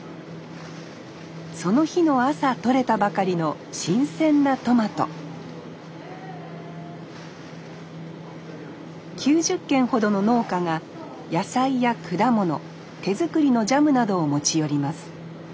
その日の朝とれたばかりの新鮮なトマト９０軒ほどの農家が野菜や果物手作りのジャムなどを持ち寄ります